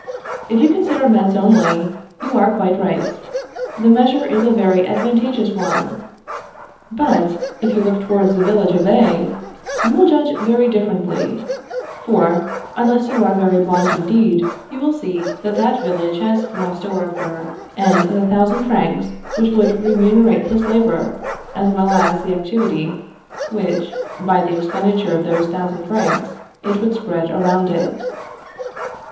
If you consider Metz only, you are quite right; the measure is a very advantageous one: but if you look towards the village of A., you will judge very differently; for, unless you are very blind indeed, you will see that that village has lost a worker, and the thousand francs which would remunerate his labour, as well as the activity which, by the expenditure of those thousand francs, it would spread around it.